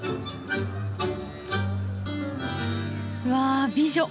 うわ美女！